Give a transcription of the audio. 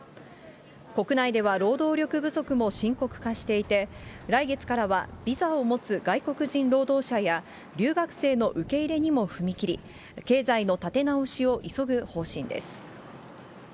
国内では労働力不足も深刻化していて、来月からはビザを持つ外国人労働者や留学生の受け入れにも踏み切り、経済の立て直しを急ぐ方針です。